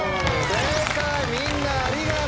正解みんなありがとう。